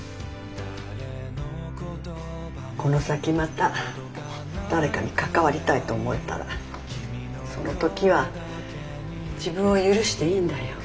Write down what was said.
この先また誰かに関わりたいと思えたらその時は自分を許していいんだよ。